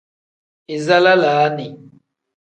Iza lalaani.